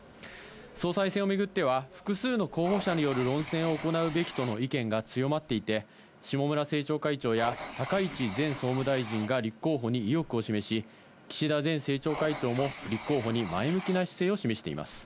総裁選をめぐっては複数の候補者に論戦を行うべきとの意見が強まっていて、下村政調会長や高市前総務大臣が立候補に意欲を示し、岸田前政調会長も立候補に前向きな姿勢を示しています。